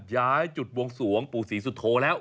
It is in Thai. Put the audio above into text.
ย้ายจุดบวงสวงปู่ศรีสุโธแล้ว